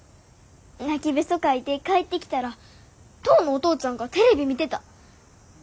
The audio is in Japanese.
・泣きべそかいて帰ってきたら当のお父ちゃんがテレビ見てた。